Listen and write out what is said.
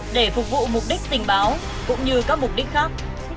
để phục vụ mục đích tình báo cũng như các mục đích khác